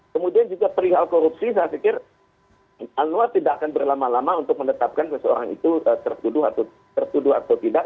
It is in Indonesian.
kemudian juga perihal korupsi saya pikir anwar tidak akan berlama lama untuk menetapkan seseorang itu tertuduh atau tertuduh atau tidak